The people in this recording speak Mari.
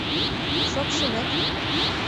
Шокшо вет.